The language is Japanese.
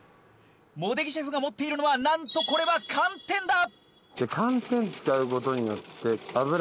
茂出木シェフが持っているのは何とこれは寒天だ！